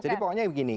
jadi pokoknya begini